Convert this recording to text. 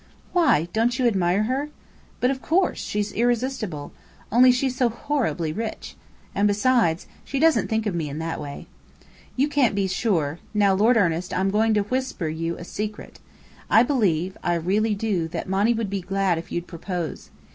"Why don't you admire her?" "But of course. She's irresistible. Only she's so horribly rich. And besides, she doesn't think of me in that way." "You can't be sure. Now, Lord Ernest, I'm going to whisper you a secret. I believe I really do that Monny would be glad if you'd propose.